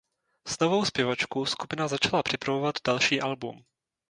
S novou zpěvačkou skupina začala připravovat další album.